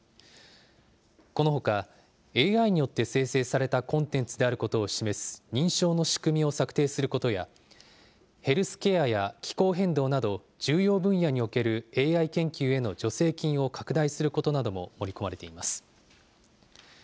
このほかＡＩによって生成されたコンテンツであることを示す認証の仕組みを策定することや、ヘルスケアや気候変動など重要分野におけるＡＩ研究への助成金を拡大することなども盛り込まれています。